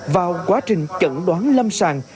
vào quá trình chẩn đoán lâm sàng